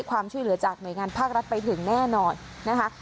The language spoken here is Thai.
ความช่วยเหลือจากหน่วยงานภาครัฐไปถึงแน่นอนนะคะ